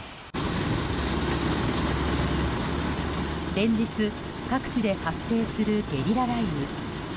連日、各地で発生するゲリラ雷雨。